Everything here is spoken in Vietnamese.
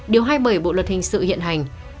điều hai mươi bảy bộ luật hình sự hiện hành